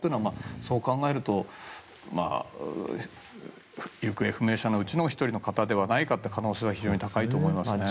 そう考えると行方不明者のうちの１人の方ではないかという可能性は非常に高いと思いますね。